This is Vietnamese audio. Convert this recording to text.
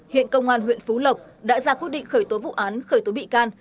hiện công an huyện phú lộc đã ra quyết định khởi tố vụ án khởi tố bị can